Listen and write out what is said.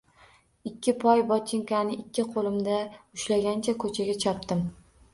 Ikki poy botinkani ikki qo‘limda ushlagancha ko‘chaga chopdim.